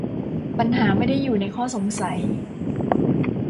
ปัญหาไม่ได้อยู่ในข้อสงสัย